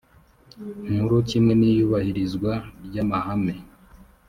nkuru kimwe n iyubahirizwa ry amahame